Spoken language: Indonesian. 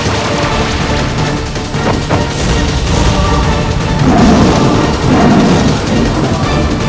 aku sudah menguasai jurus utuhnya